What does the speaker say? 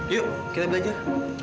yuk kita belajar